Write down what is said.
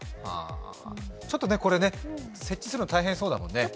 ちょっとこれね、設置するの大変そうだもんね。